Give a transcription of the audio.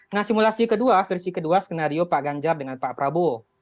nah simulasi kedua versi kedua skenario pak ganjar dengan pak prabowo